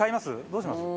どうします？